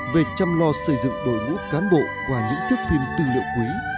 về chăm lo xây dựng bộ ngũ cán bộ qua những thiết phim tư liệu quý